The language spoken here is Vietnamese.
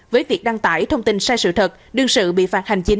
với việc đăng tải thông tin sai sự thật đương sự bị phạt hành chính năm triệu đồng